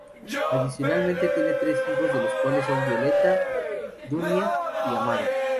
Adicionalmente tiene tres hijos los cuales son Violeta, Dunia y Amaro.